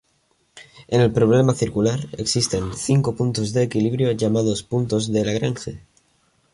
En el problema circular, existen cinco puntos de equilibrio llamados puntos de Lagrange.